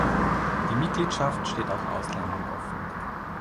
Die Mitgliedschaft steht auch Ausländern offen.